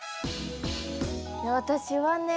私はね